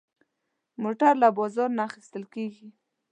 موټر له بازار نه اخېستل کېږي.